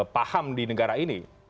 paham di negara ini